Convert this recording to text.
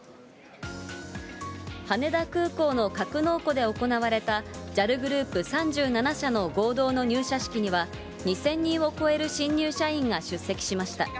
羽田空港の格納庫で行われた、ＪＡＬグループ３７社の合同の入社式には、２０００人を超える新入社員が出席しました。